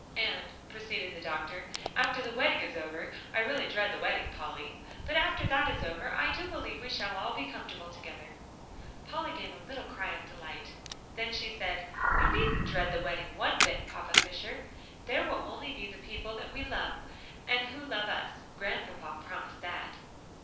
"And," proceeded the doctor, "after the wedding is over I It really dread the wedding, Polly but after that is over, I do believe we shall all be comfortable together!" Polly gave a little cry of delight. Then she said, "You needn't dread the wedding one bit, Papa Fisher. There will be only the people that we love, and who love us Grandpapa promised that."